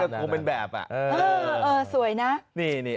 นี่โอเป็นแบบฮะเออเออเออสวยนะนี่นี่